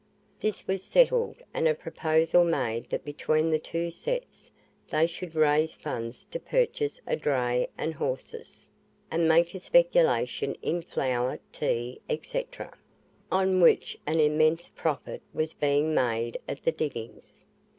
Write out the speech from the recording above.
This was settled, and a proposal made that between the two sets they should raise funds to purchase a dray and horses, and make a speculation in flour, tea, &c., on which an immense profit was being made at the diggings.